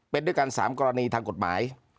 เป็นด้วยกัน๓กรณีทางกฎหมาย